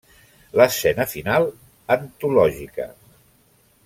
L'escena final, antològica.